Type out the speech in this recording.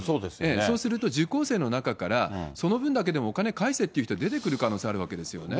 そうすると、受講生の中から、その分だけでもお金返せっていう人が出てくる可能性があるわけですよね。